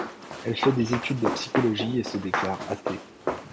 Elle fait des études de psychologie et se déclare athée.